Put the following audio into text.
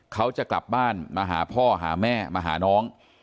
เขาจะกลับบ้านมาหาพ่อหาแม่มาหาน้อง